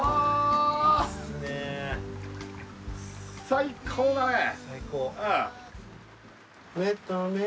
最高だね！